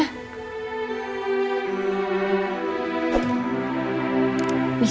besok ibu mau pulang